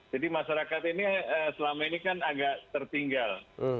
jadi masyarakat ini selama ini kan agak tertinggal